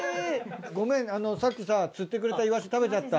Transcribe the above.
ごめんさっきさ釣ってくれたイワシ食べちゃった。